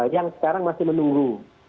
yang sekarang masih menunggu